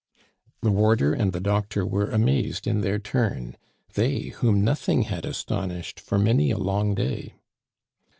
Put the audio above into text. The warder and the doctor were amazed in their turn they, whom nothing had astonished for many a long day.